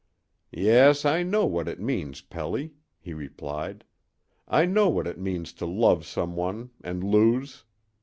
"Yes, I know what it means, Pelly," he replied. "I know what it means to love some one and lose.